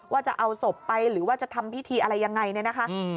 จะเอาศพไปหรือว่าจะทำพิธีอะไรยังไงเนี่ยนะคะ